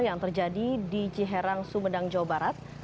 yang terjadi di ciherang sumedang jawa barat